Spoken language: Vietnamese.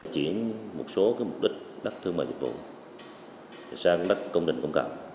chuyển một số mục đích đất thương mại dịch vụ sang đất công đình công cộng